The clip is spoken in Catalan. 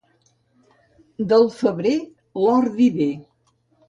Del febrer, l'ordi ve.